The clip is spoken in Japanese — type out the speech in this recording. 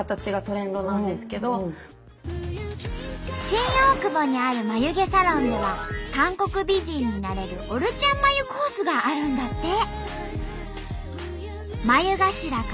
新大久保にある眉毛サロンでは韓国美人になれるオルチャン眉コースがあるんだって。